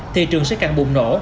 thị trường sẽ càng bùng nổ